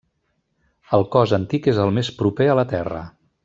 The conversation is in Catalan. El cos antic és el més proper a la terra.